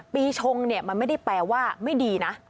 ปีชงมันไม่ได้แปลว่าไม่ดีนะ